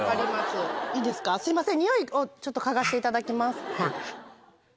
すいませんにおいを嗅がしていただきます。